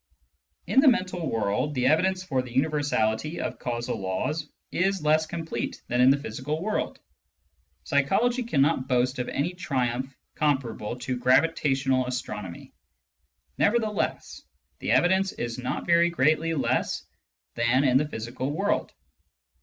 In the mental world, the evidence for the universality of causal laws is less complete than in the physical world. Psychology cannot boast of any •triumph comparable to gravitational astronomy. Nevertheless, the evidence is not very greatly less than in the physical world.